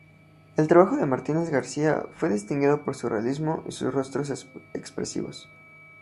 El trabajo de Martínez García fue distinguido por su realismo y sus rostros expresivos.